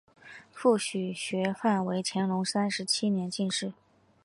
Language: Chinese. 父许学范为乾隆三十七年进士。